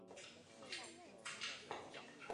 这个镶嵌代表一个双曲的四次反射万花筒。